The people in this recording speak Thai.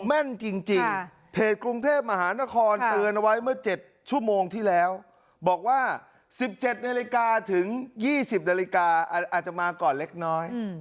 ไว้มั่นจริงเพจกรุงเทพมหาฆคนเตือนไว้เมื่อ๗ชั่วโมงที่แล้วบอกว่า๑๗๒๐นอาจจะมาก่อนเล็กน้อย